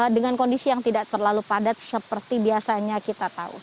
dengan kondisi yang tidak terlalu padat seperti biasanya kita tahu